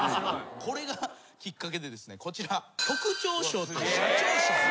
これがきっかけでこちら。